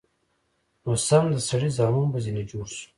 نو سم د سړي زامن به ځنې جوړ سو.